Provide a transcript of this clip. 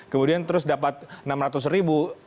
kemudian terus dapat enam ratus ribu